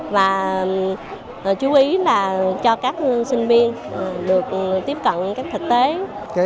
và chú ý là cho các sinh viên được tiếp cận những thực tế